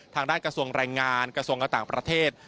กระทรวงแรงงานกระทรวงการต่างประเทศ